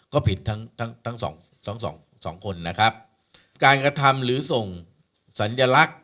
ก็ผิดทั้ง๒คนนะครับการกระทำหรือส่งสัญลักษณ์